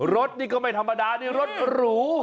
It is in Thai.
รถนี่ก็ไม่ธรรมดานี่รถหรู